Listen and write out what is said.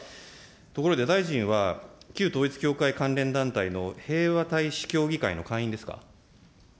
ところで大臣は、旧統一教会関連団体の平和大使協議会の会員ですか。